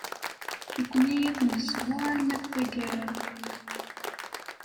Nekkni ad nezbu arma d tagara.